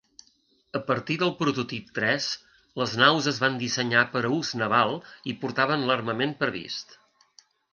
A partir del prototip tres, les naus es van dissenyar per a ús naval i portaven l'armament previst.